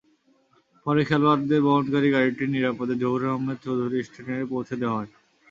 পরে খেলোয়াড়দের বহনকারী গাড়িটি নিরাপদে জহুর আহমেদ চৌধুরী স্টেডিয়ামে পৌঁছে দেওয়া হয়।